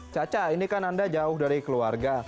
caca ini kan anda jauh dari keluarga